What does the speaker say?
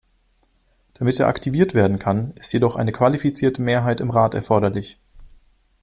Damit er aktiviert werden kann, ist jedoch eine qualifizierte Mehrheit im Rat erforderlich.